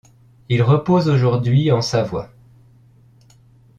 Il repose aujourd'hui en Savoie.